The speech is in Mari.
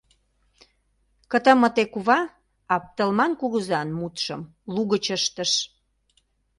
Кытымыте кува Аптылман кугызан мутшым лугыч ыштыш.